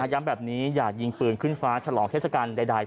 ย้ำแบบนี้อย่ายิงปืนขึ้นฟ้าฉลองเทศกาลใด